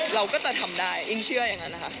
เราก็จะทำได้เองเชื่ออย่างนั้นนะคะ